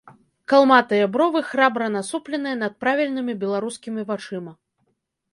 Калматыя бровы, храбра насупленыя над правільнымі беларускімі вачыма.